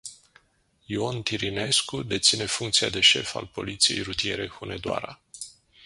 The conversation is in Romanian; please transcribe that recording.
Ion Tirinescu deține funcția de șef al poliției rutiere Hunedoara.